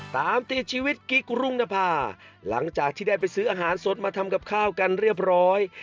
ตามติดชีวิตกิ๊กรุงนภาหลังจากที่ได้ไปซื้ออาหารสดมาทำกับข้าวกันเรียบร้อย